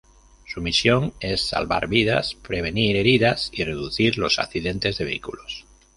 Su misión es "Salvar vidas, prevenir heridas y reducir los accidentes de vehículos".